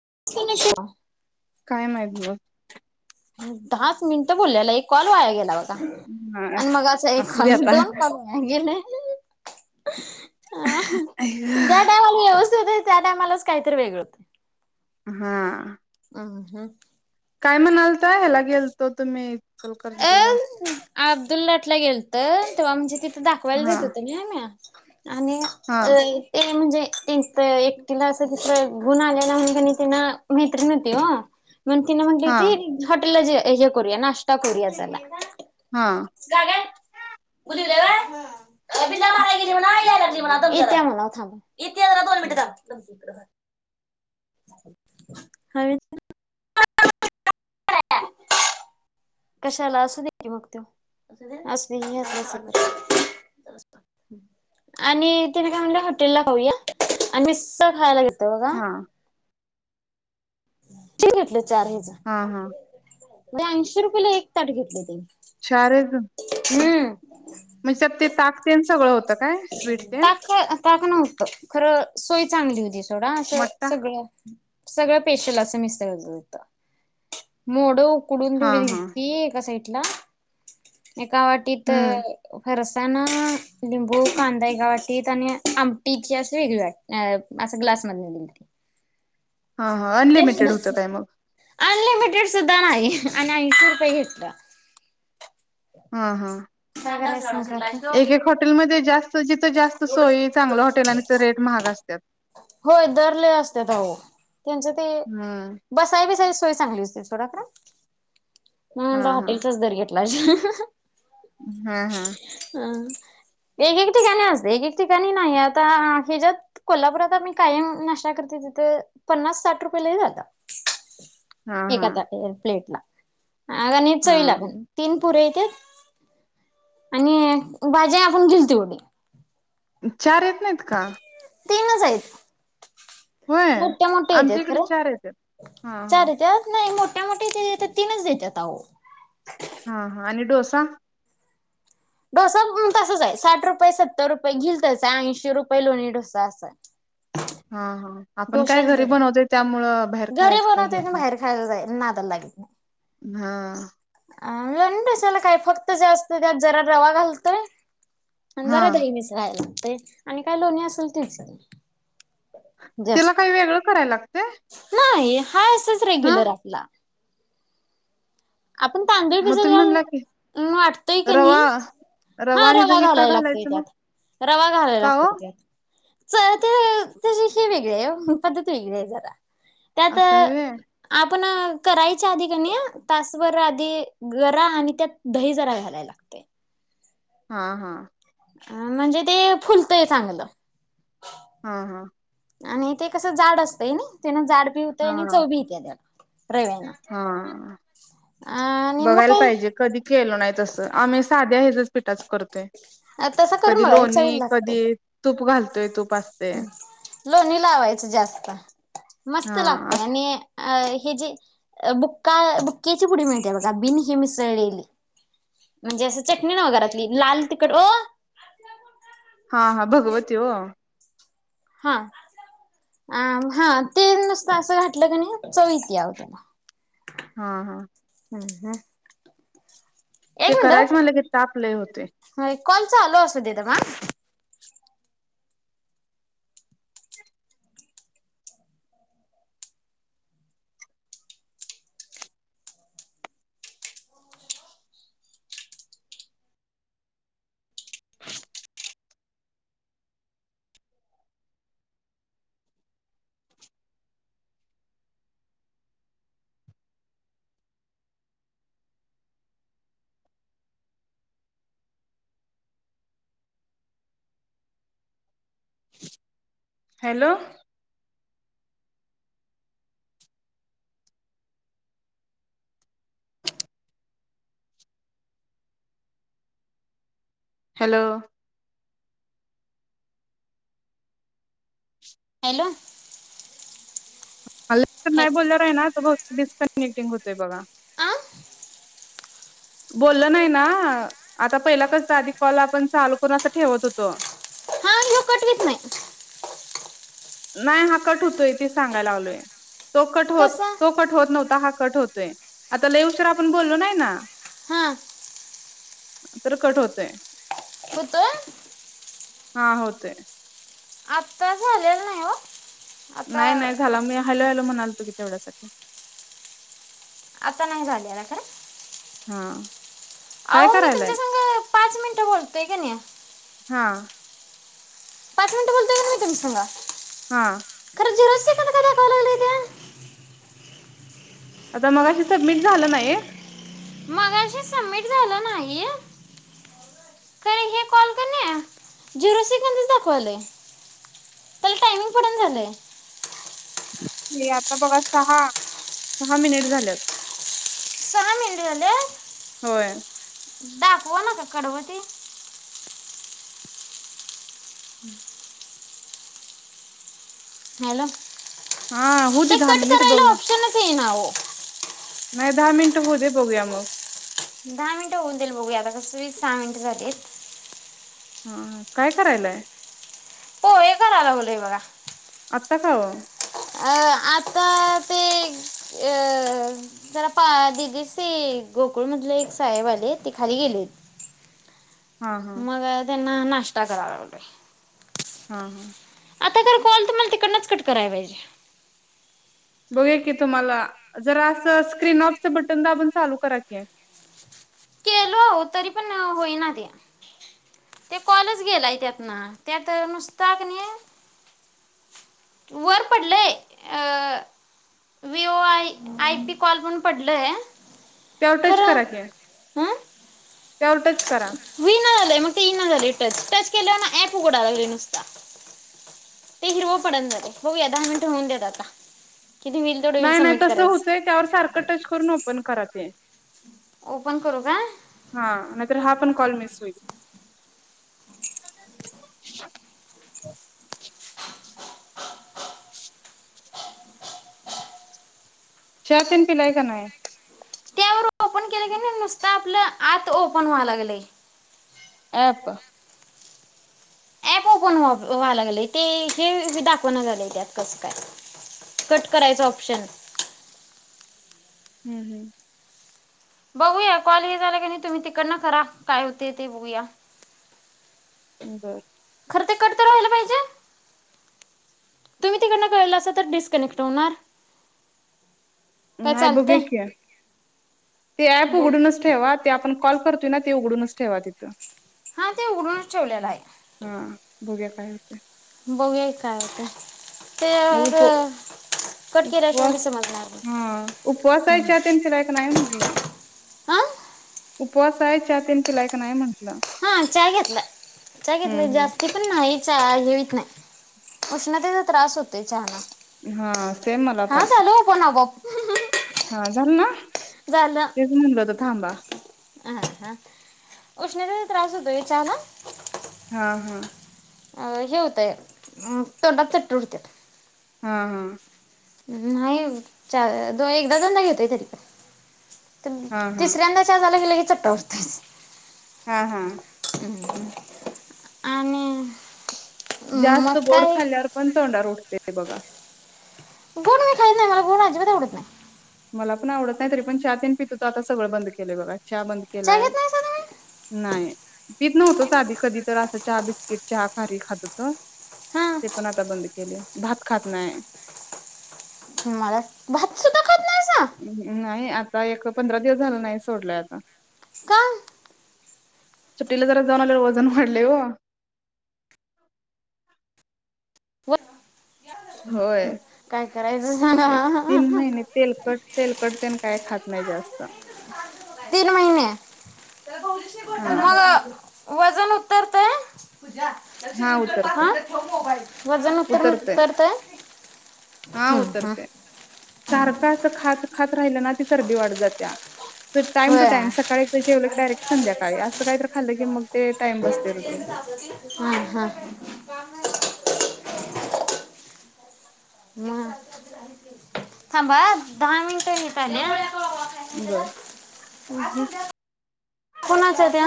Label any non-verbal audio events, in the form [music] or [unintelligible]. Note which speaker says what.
Speaker 1: [unintelligible]
Speaker 2: काय माहित ग [unintelligible]
Speaker 1: दहाच मिनिटं बोलल्याला एक कॉल वाया गेला ब.....
Speaker 2: हा
Speaker 1: आणि मग अस
Speaker 2: असू
Speaker 1: एका
Speaker 2: दे आता
Speaker 1: दोन [unintelligible] गेले [unintelligible] तुझ त्या टायमालाच काहीतरी वेगळ.....
Speaker 2: हा
Speaker 1: अहं.....
Speaker 2: काय म्हणालता ह्याला गेल..... तो तुम्ही? [unintelligible]
Speaker 1: अ
Speaker 2: जिल्हा
Speaker 1: अब्दुल लाटला गेलत तेव्हा म्हणजे ती... त दाखवायला
Speaker 2: हा
Speaker 1: देत होत नाय म्या.... [unintelligible] आणि
Speaker 2: हा
Speaker 1: अ ते म्हणजे इंस्ट एकटीला अस तस घुण आलेला त्यांना मैत्रीण होती हो.... म्ह ति न म्हटली
Speaker 2: हा
Speaker 1: होती हॉटेलला जे...... [unintelligible] करूया नाश [unintelligible] कोरया झाला [unintelligible] [unintelligible]
Speaker 2: हा
Speaker 1: बिल्ला मारायला गेली म्हणाव याय लागली म्हणा इत्या म्हणाव थांब इत्या जरा दोन मिनट थांब.... [unintelligible] ह कशाला असुदेत की म अस आणि तिने काय म्हणलं हॉटेल ला खाऊया आणि मिस्सल खायला घेत [inaudible] त बघा.......
Speaker 2: हा
Speaker 1: ठीक [unintelligible] चार हेचा
Speaker 2: हा हा
Speaker 1: [unintelligible] ब्याऐंशी रुपयाला एक ताट घेतल त्यांनी...
Speaker 2: चार.? [unintelligible] ते ताक तेन सगळं हों
Speaker 1: ताक ताक नव्ह खरं सोय चांगली होती. थोडा असं
Speaker 2: मट्टा
Speaker 1: सगळं सगळं पेशल असं मिस्सळ होत मोडं कुडून
Speaker 2: हा हा
Speaker 1: [unintelligible] ऐका सा ना एका वाटीत
Speaker 2: हम्म
Speaker 1: फार अस चना, लिंबू कांदा एका वाटीत आणि आमटीची असं वेगळी वाट, असं ग्लास मदन दिलीत.
Speaker 2: हां हां अनलिमिटेड होतं काय मग?
Speaker 1: अनलिमिटेड सुद्धा नाही आणि ऐंशी रुपये घेतलं.
Speaker 2: हां हां!
Speaker 1: काय करायचं?
Speaker 2: एक एक हॉटेलमध्ये जास्त जिथं-जिथं जास्त सोय चांगलं हॉटेलांचं रेट महाग असत्यात.
Speaker 1: होय दर लय असत्यात अहो त्यांचं ते
Speaker 2: हम्म!
Speaker 1: बसाय बिसाय सोय चांगली असते सोडा खरं म्हणलं हॉटेलचाच दर घेतलं माझ्या आ
Speaker 2: हां हां!
Speaker 1: एघे ठिकाणी असतंय एक-एक ठिकाणी नाही. आता हेज्यात कोल्हापुरात आम्ही कायम नाष्टा करतोय, तिथं पन्नास-साठ रुपय लई झालं.
Speaker 2: हा
Speaker 1: ती
Speaker 2: हा
Speaker 1: एका ताट प्लेट ला. अगं आणि चवीला
Speaker 2: हा
Speaker 1: पण तीन पुऱ्या येत्यात आणि भाजी आपण घेईल तेवढी.
Speaker 2: चार येत नाहीत का?
Speaker 1: तीनच हायीत
Speaker 2: होय
Speaker 1: मोठ्या-मोठ्या येत्यात
Speaker 2: आमच्या इकडे
Speaker 1: खरं.
Speaker 2: चार येतात. हा
Speaker 1: चार
Speaker 2: हा
Speaker 1: येत्यात नाही मोठ मोठ्या मोठ्या इथं तीनच देत्यात आओ.
Speaker 2: हां हां आणि डोसा?
Speaker 1: डोसा तसच हाय साठ रुपय, सत्तर रुपय घिल तसं हाय. ऐंशी रुपय लोणी डोसा असाय.
Speaker 2: हां हां आपण काय घरी बनवतोय त्यामुळं बाहेर
Speaker 1: घरी
Speaker 2: खायचं काय
Speaker 1: बनवतोय
Speaker 2: हेच
Speaker 1: आणि
Speaker 2: नाही.
Speaker 1: बाहेर खायला [unintelligible]
Speaker 2: हां!
Speaker 1: आ लोणी डोसाला काय? फक्त जास्त त्यात जरा रवा घालतोय. आण
Speaker 2: हा
Speaker 1: जरा दही मिसळायला [unintelligible] आणि काय लोणी असेल तिच
Speaker 2: तिला काय वेगळं करायला लागतंय?
Speaker 1: नाही हा असच रेग्युलर आपला आपण तांदूळ
Speaker 2: मग
Speaker 1: भिजत
Speaker 2: तुम्ही म्हणला की
Speaker 1: घालून वाटतोय क नाही
Speaker 2: रवा
Speaker 1: हा
Speaker 2: आणि
Speaker 1: रवा
Speaker 2: दही का
Speaker 1: घालायला लागतोय
Speaker 2: घालायचं मग
Speaker 1: त्यात रवा घालायला
Speaker 2: का ओ
Speaker 1: लागतोय त्यात जरा ते त्याची ही वेगळी आहे पद्धत वेगळी आहे जरा.
Speaker 2: असं हाय व्हयं
Speaker 1: पण करायच्या आधी कणी तासभर आधी गरा आणि त्यात दही जरा घालायला लागतंय
Speaker 2: हा हा
Speaker 1: अ म्हणजे ते फुलतय चांगलं
Speaker 2: हा हा
Speaker 1: आणि ते कसं जाड असतंय नी? तेण जाड भी होतंय आणि
Speaker 2: हा
Speaker 1: चव भी येत्या त्याला रव्याना
Speaker 2: हा
Speaker 1: अ आणि मग
Speaker 2: बघायला
Speaker 1: काही.
Speaker 2: पाहिजे कधी केलो नाही तसं आम्ही साध्या पिठाच करतोय
Speaker 1: तसं करून
Speaker 2: कधी
Speaker 1: बघा एक चवीला
Speaker 2: लोणी
Speaker 1: लागतय
Speaker 2: कधी तूप घालतोय ते तूप पाजते
Speaker 1: लोणी लावायचं जास्त मस्त
Speaker 2: हा
Speaker 1: लागतय
Speaker 2: अस
Speaker 1: आणि अ हे जे बुक् बुक्याची पुडी मिळते बघा बीन हे मिसळलेली म्हणजे अस चटणी नाव घरातली लाल तिकड
Speaker 2: हा हा भगवती ओ
Speaker 1: हा हा ते नुसतं असं घातलं क नाही चव यती त्याला
Speaker 2: हा हा
Speaker 1: हम् हम एक
Speaker 2: ते करायच म्हंटलं की ताप लय होतेय
Speaker 1: कॉलचा चालु असूदे दमा
Speaker 2: हॅलो हॅलो
Speaker 1: हॅलो
Speaker 2: तर नाही बोलल्याला आहे ना बघ डिस्कनेक्टिंग होतोय बघा
Speaker 1: आं?
Speaker 2: बोलल नाही ना आता पहिला कस आधी कॉल आपण चालू करून असं ठेवत होतो
Speaker 1: लो कटवीत नाही
Speaker 2: नाय हा कट होतोय ते सांगायला लागलोय तो कट होत
Speaker 1: कसा
Speaker 2: तो कट होत नव्हता हा कट होत आता लई उशर आपण बोललो नाही ना
Speaker 1: ह
Speaker 2: तर कट होतय.
Speaker 1: हुतो?
Speaker 2: हा होतय.
Speaker 1: आत्ता झालेल नाही ओ.
Speaker 2: नाही नाही झाला. मी हॅलो हॅलो म्हणालतो की तेवढ्यासाठी, [inaudible]
Speaker 1: आता नाही झाले ना खर!
Speaker 2: हा काय
Speaker 1: आओ मी
Speaker 2: करायलाय?
Speaker 1: तुमच्यासंग पाच मिनिटं बोलतोय की नई?
Speaker 2: हा
Speaker 1: पाच मिनटं बोलतोय की नई मी तुमच्यासंग?
Speaker 2: हा
Speaker 1: [unintelligible]
Speaker 2: आता मगाशी सबमिट झालं ना एक
Speaker 1: मघाशी सबमिट झालं नाही, कारण हे कॉल क नई झिरो सेकंदच दाखवायलय. त्याला टायमिंग पडणा झालय.
Speaker 2: ते आता बघा सहा, सहा मिनिट झाल्यात.
Speaker 1: सहा मिनिट झाले
Speaker 2: होय
Speaker 1: दाखवा न का कडव ती? हम्म हॅलो
Speaker 2: हा होऊ दे
Speaker 1: ते
Speaker 2: दहा
Speaker 1: कट
Speaker 2: मिनिट
Speaker 1: करायला
Speaker 2: बघूया
Speaker 1: ऑप्शनच येईना अहो. [inaudible]
Speaker 2: नाही दहा मिनिट होऊ दे बघूया मग.
Speaker 1: दहा मिनिट होऊन दिल बघूया आता कसं बी सहा मिनिट झालीत.
Speaker 2: हा काय करायलाय.
Speaker 1: पोहे कराय लागलोय बघा.
Speaker 2: आता काव
Speaker 1: अ आता ते अ जरा पा दिदी ते गोकुळ मधले एक साहेब आलेत, ते खाली गेलेत.
Speaker 2: हां हां
Speaker 1: मग त्या नाष्ट्ता कराय लागलोय.
Speaker 2: हा हा
Speaker 1: आता खर कॉल तुम्हाला तिकडनच कट कराय पाहिजे.
Speaker 2: बघूया की तुम्हाला जरा अस स्क्रीन ऑफच बटन दाबून चालू करा की.
Speaker 1: हो तरी पण होईना ते, ते कॉलच गेलाय त्यातन. त्यात नुसता की‌ नई, वर पडलंय अ VO I I P call म्हणून पडलय.
Speaker 2: त्यावर टच करा की.
Speaker 1: हं
Speaker 2: त्यावर टच करा
Speaker 1: होईना झालंय मग ते येईना झालय टच टच केलं अन् ॲप उघडाय लागलोय नुसता ते हिरव पडणा झालय बघुया दहा मिनिट होऊन देत आता किती होईल तेवढं होईल
Speaker 2: नाही नाही
Speaker 1: सबमिट
Speaker 2: तस होतंय
Speaker 1: करायचं
Speaker 2: त्यावर सारखं टच करून ओपन करा ते.
Speaker 1: ओपन करू का
Speaker 2: हा नाही तर हा पण कॉल मिस होईल. [inaudible] छा तेंन पिलाय का नाय?
Speaker 1: त्यावर ओपन केल की नुसत आपलं आत ओपन व्हाय लागलंय.
Speaker 2: ऍप
Speaker 1: ऍप ओपन व्हा व्हाया लागलय ते हे हे दाखव ना झालंय त्यात कस काय कट करायच ऑप्शन
Speaker 2: हम्म हम्म
Speaker 1: बघूया कॉल हे झाला की नाही तुम्ही तिकडन करा काय होतय ते बघूया?
Speaker 2: बर
Speaker 1: खर ते कट तर व्हायला पाहिजे तुम्ही तिकडन कराल असल तर डिस्कनेक्ट होणार काय
Speaker 2: नाही बघुया
Speaker 1: चालतंय
Speaker 2: की ते ऍप
Speaker 1: बघ
Speaker 2: उघडूनच ठेवा ते आपण कॉल करतोय ना ते उघडूनच ठेवा तिथं
Speaker 1: हा ते उघडूनच ठेवल्याला हाय
Speaker 2: हा बघूया काय होतंय?
Speaker 1: बघुया की काय होतंय?
Speaker 2: मग उप
Speaker 1: केल्याशिवाय बी
Speaker 2: उपवास
Speaker 1: समजणार
Speaker 2: हा उपवास हाय
Speaker 1: नाही
Speaker 2: च्या तेन पीलाय का नाय म्हटलं!
Speaker 1: हां
Speaker 2: उपवास हाय च्या तेन पीलाय का नाय म्हणल?
Speaker 1: हा च्या घेतला चाय घेतला
Speaker 2: हम्म हम्म
Speaker 1: जास्ती पण नाही चाय हे व्हईत नाय उष्णतेचा त्रास होतोय चहा नं
Speaker 2: हा सेम मला पण
Speaker 1: पण आपोआप
Speaker 2: हा झालं ना तेच म्हणलं होत थांबा
Speaker 1: अं हा उष्णतेने त्रास होतोय विचारला.
Speaker 2: हा हा
Speaker 1: अं हे होतंय अ तोंडात चट्ट उठत्यात
Speaker 2: हम्म हम्म
Speaker 1: न्हायी चा दो एकदा दोनदा घेतोय तरी पण. तुमि
Speaker 2: हा हा
Speaker 1: तिसऱ्यांदा चहा झाला कि लगेच, चट्ट उठत्यात
Speaker 2: हा हा.
Speaker 1: आणि मग
Speaker 2: जास्त गोड
Speaker 1: काय
Speaker 2: खाल्ल्यावर पण तोंडावर उठ ते ते बघा.
Speaker 1: गोड मी खाईत नाही मला गोड अजिबात आवडत नाही.
Speaker 2: मला पण आवडत नाही तरी पण चहा तेन पित होतो आता सगळं बंद केलंय बघा. च्या बंद
Speaker 1: चाय
Speaker 2: केलाय
Speaker 1: घेत नाही
Speaker 2: नाइ. पीत नव्हतोच आधी कधी तर आसं चहा बिस्किट चहा खारी खात होतो.
Speaker 1: सा
Speaker 2: ते पण आता बंद केले. भात खात नाय
Speaker 1: मला भात सुध्दा!
Speaker 2: हम ह नाही आत ह्या एक पंधरा दिवस झाल नाही सोडलंय आता
Speaker 1: का अ
Speaker 2: सुट्टीला जरा जाऊन आल्यावर वजन वाढलंय ओ.
Speaker 1: [inaudible]
Speaker 2: होय,
Speaker 1: काय करायचं
Speaker 2: एक तीन
Speaker 1: सांगा
Speaker 2: महिने तेलकट तेलकटतेन काय खात नाही जास्त
Speaker 1: तीन महिने,
Speaker 2: हा
Speaker 1: मग वजन उतरतय.
Speaker 2: हा उतरते
Speaker 1: ह वजन उतरन
Speaker 2: उतरते
Speaker 1: उतरतय
Speaker 2: हा
Speaker 1: हम् हम
Speaker 2: उतरते सारखं असं खात खात राहिलं ना की चरबी वाढत जातीया तर टाइम टू
Speaker 1: होय
Speaker 2: टाइम सकाळी एकदा जेवलं की डायरेक्ट संध्याकाळी असं काही तर खाल्लं की मग ते टाइम बसते रुटीन
Speaker 1: हं, हं. ह थांबा हा दहा मिनिटं होत आलिया [inaudible]
Speaker 2: बर
Speaker 1: कुणाचा त्या?